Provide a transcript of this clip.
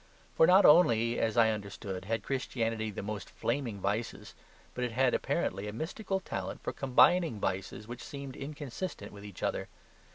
For not only (as I understood) had Christianity the most flaming vices, but it had apparently a mystical talent for combining vices which seemed inconsistent with each other.